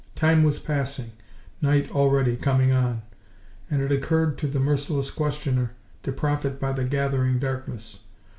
Time was passing, night already coming on, and it occurred to the merciless questioner to profit by the gathering darkness.